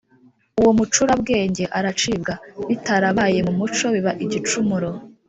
Uwo mucurabwenge aracibwa bitarabaye mu muco biba igicumuro